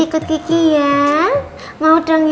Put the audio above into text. pakai seled kacang dan strawberry